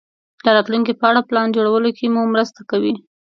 د راتلونکې په اړه پلان جوړولو کې مو مرسته کوي.